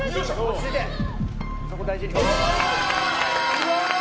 すごい！